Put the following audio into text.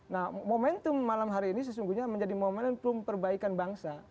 nah momentum malam hari ini sesungguhnya menjadi momentum perbaikan bangsa